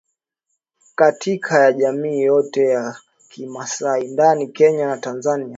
Katika ya jamii yote ya kimasai ndani Kenya na Tanzania